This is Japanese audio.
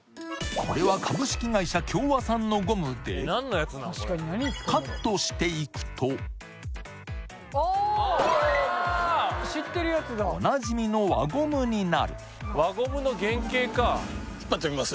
これは株式会社共和さんのゴムでおなじみの輪ゴムになる引っ張ってみます？